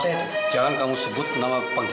ada tamu untuk bapak